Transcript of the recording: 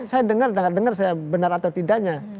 saya dengar dengar saya benar atau tidaknya